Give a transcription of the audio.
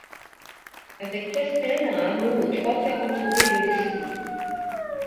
Avec Kastel, un hameau aux trois quart entouré de l’Escaut.